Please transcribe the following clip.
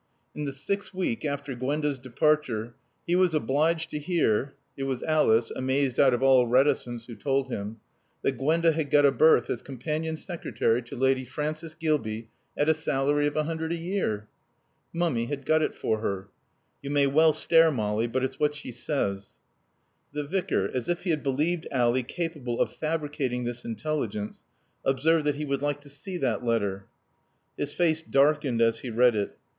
In the sixth week after Gwenda's departure, he was obliged to hear (it was Alice, amazed out of all reticence, who told him) that Gwenda had got a berth as companion secretary to Lady Frances Gilbey, at a salary of a hundred a year. Mummy had got it for her. "You may well stare, Molly, but it's what she says." The Vicar, as if he had believed Ally capable of fabricating this intelligence, observed that he would like to see that letter. His face darkened as he read it.